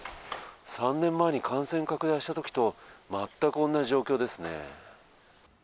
３年前に感染拡大した時と全く同じ状況ですね。